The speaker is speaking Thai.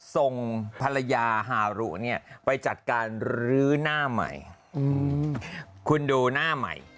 ส่งภรรยาฮารุเนี่ยไปจัดการรื้อหน้าใหม่คุณดูหน้าใหม่